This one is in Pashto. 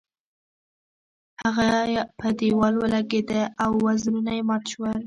هغه په دیوال ولګیده او وزرونه یې مات شول.